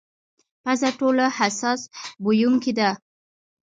پزه ټولو حساس بویونکې ده.